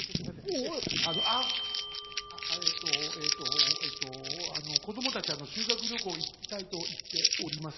えっとえっとえっとあの子供たちあの修学旅行行きたいと言っております。